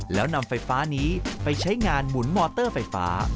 แล้วนำไฟฟ้านี้ไปใช้งานหมุนมอเตอร์ไฟฟ้า